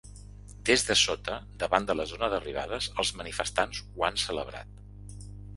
Des de sota, davant de la zona d’arribades, els manifestants ho han celebrat.